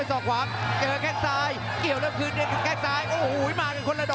โอ้ววางแค่ซ้ายปิดท้ายครับ